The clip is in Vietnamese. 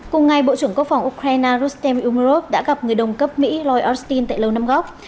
cùng ngày bộ trưởng quốc phòng ukraine rustem umurov đã gặp người đồng cấp mỹ lloyd austin tại lâu nam góc